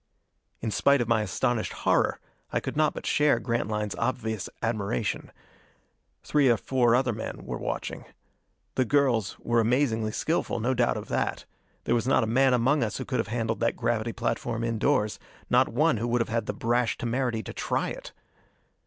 In spite of my astonished horror I could not but share Grantline's obvious admiration. Three of four other men were watching. The girls were amazingly skillful, no doubt of that. There was not a man among us who could have handled that gravity platform indoors, not one who would have had the brash temerity to try it.